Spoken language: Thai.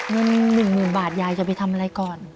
เงิน๑๐๐๐บาทยายจะไปทำอะไรก่อน